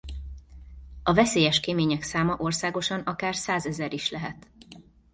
A veszélyes kémények száma országosan akár százezer is lehet.